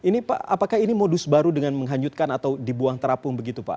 ini pak apakah ini modus baru dengan menghanyutkan atau dibuang terapung begitu pak